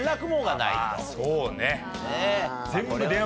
そうね。